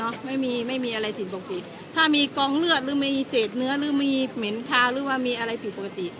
ไม่มีไม่มีอะไรสิ่งปกติถ้ามีกองเลือดหรือมีเศษเนื้อหรือมีเหม็นคาวหรือว่ามีอะไรผิดปกติ